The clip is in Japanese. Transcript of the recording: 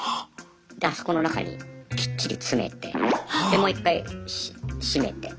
であそこの中にきっちり詰めてでもう一回閉めて。